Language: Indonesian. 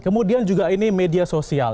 kemudian juga ini media sosial